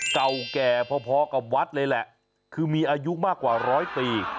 เก่าแก่พอกับวัดเลยแหละคือมีอายุมากกว่าร้อยปี